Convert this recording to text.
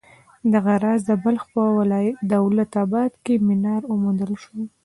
دغه راز د بلخ په دولت اباد کې منار وموندل شو.